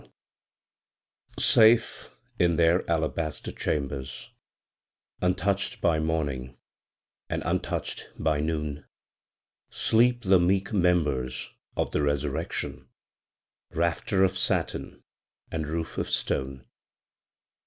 IV. Safe in their alabaster chambers, Untouched by morning and untouched by noon, Sleep the meek members of the resurrection, Rafter of satin, and roof of stone.